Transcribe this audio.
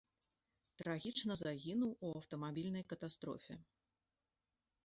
Трагічна загінуў у аўтамабільнай катастрофе.